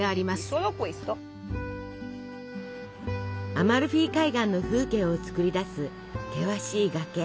アマルフィ海岸の風景をつくり出す険しい崖。